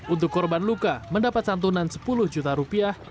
untuk korban luka mendapat santunan sepuluh juta rupiah